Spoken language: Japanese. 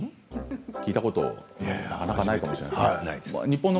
聞いたことなかなかないかもしれません。